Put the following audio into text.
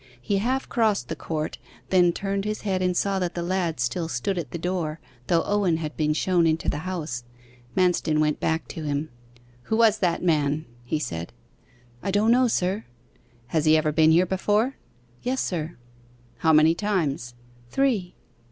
He half crossed the court, then turned his head and saw that the lad still stood at the door, though Owen had been shown into the house. Manston went back to him. 'Who was that man?' he said. 'I don't know, sir.' 'Has he ever been here before?' 'Yes, sir.' 'How many times?' 'Three.